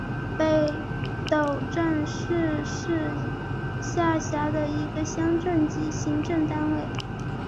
北陡镇是是下辖的一个乡镇级行政单位。